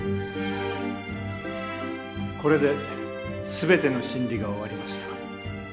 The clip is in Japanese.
これで全ての審理が終わりました。